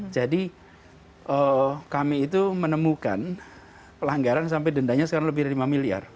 jadi kami itu menemukan pelanggaran sampai dendanya sekarang lebih dari lima miliar